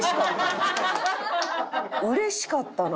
うれしかったな。